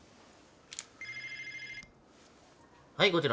はい。